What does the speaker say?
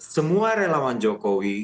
semua relawan jokowi